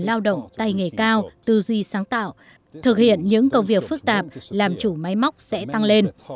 lao động tay nghề cao tư duy sáng tạo thực hiện những công việc phức tạp làm chủ máy móc sẽ tăng lên